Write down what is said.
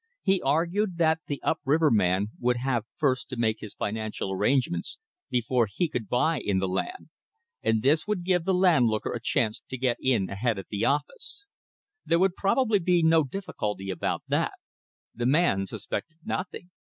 He argued that the up river man would have first to make his financial arrangements before he could buy in the land, and this would give the landlooker a chance to get in ahead at the office. There would probably be no difficulty about that. The man suspected nothing.